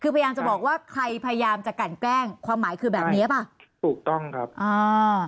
คือพยายามจะบอกว่าใครพยายามจะกันแกล้งความหมายคือแบบเนี้ยป่ะถูกต้องครับอ่า